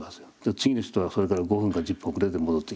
次の人はそれから５分か１０分遅れで戻ってきます。